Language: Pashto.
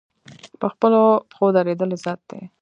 په خپلو پښو دریدل عزت دی